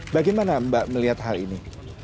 bagaimana mbak melihat hal ini